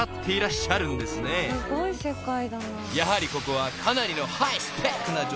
［やはりここはかなりの］